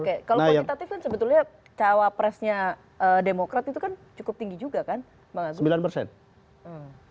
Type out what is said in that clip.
kalau kuantitatif kan sebetulnya cawa presnya demokrat itu kan cukup tinggi juga kan bang azmi